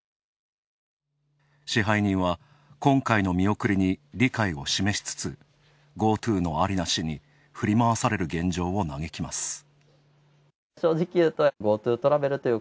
支配人は今回の見送りに理解を示しつつ「ＧｏＴｏ」の有り無しに、振り回される現状を嘆きます。